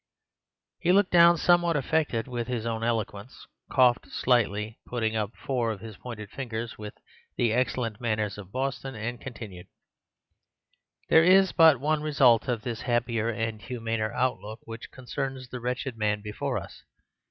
He looked down, somewhat affected with his own eloquence, coughed slightly, putting up four of his pointed fingers with the excellent manners of Boston, and continued: "There is but one result of this happier and humaner outlook which concerns the wretched man before us.